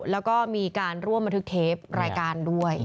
แล้วก็มีการร่วมบันทึกเทปรายการด้วย